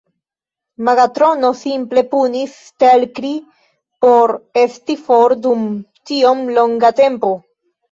Megatrono simple punis Stelkri por esti for dum tiom longa tempo.